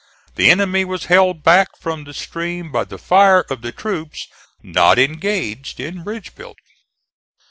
The enemy was held back from the stream by the fire of the troops not engaged in bridge building.